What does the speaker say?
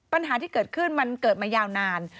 ปัญหาที่เกิดขึ้นมันเกิดมายาวนาน